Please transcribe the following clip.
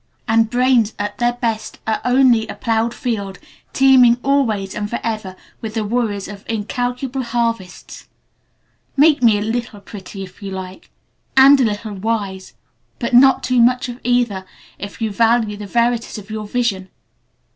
And brains at their best are only a ploughed field teeming always and forever with the worries of incalculable harvests. Make me a little pretty, if you like, and a little wise, but not too much of either, if you value the verities of your Vision.